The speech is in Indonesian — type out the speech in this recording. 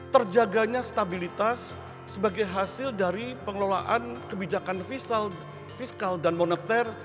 terjaganya stabilitas sebagai hasil dari pengelolaan kebijakan fiskal dan moneter